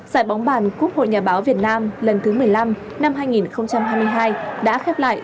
giải bóng bàn quốc hội nhà báo việt nam lần thứ một mươi năm năm hai nghìn hai mươi hai đã khép lại